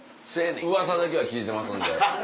うわさだけは聞いてますんで。